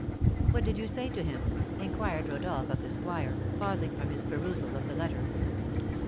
"What did you say to him?" inquired Rodolph of the squire, pausing from his perusal of the letter.